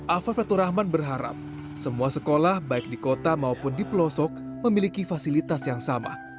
alfa fatur rahman berharap semua sekolah baik di kota maupun di pelosok memiliki fasilitas yang sama